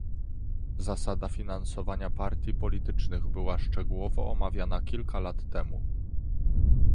Zasada finansowania partii politycznych była szczegółowo omawiana kilka lat temu